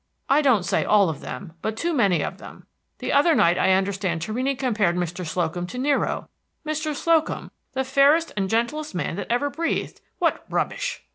I don't say all of them, but too many of them. The other night, I understand, Torrini compared Mr. Slocum to Nero, Mr. Slocum, the fairest and gentlest man that ever breathed! What rubbish!"